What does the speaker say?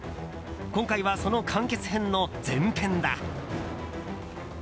今回はその完結編の前編だ。